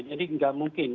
jadi tidak mungkin